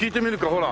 ほら。